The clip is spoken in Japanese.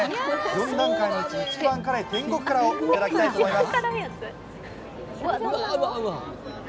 ４段階のうち一番辛い天獄辛をいただきたいと思います。